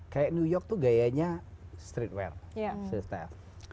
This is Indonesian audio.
kayak new york tuh gayanya streetwear